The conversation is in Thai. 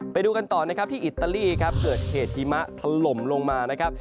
ไปดูกันต่อนะครับที่อิตาลีครับเกิดเหตุหิมะถล่มลงมานะครับ